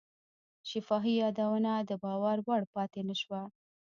شفاهي یادونه د باور وړ پاتې نه شوه.